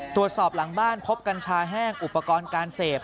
ตรวจสอบหลังบ้านพบกัญชาแห้งอุปกรณ์การเสพ